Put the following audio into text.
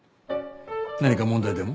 何か問題でも？